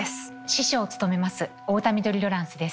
司書を務めます太田緑ロランスです。